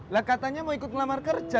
lah katanya mau ikut melamar kerja